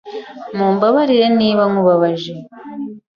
Mumbabarire niba nkubabaje.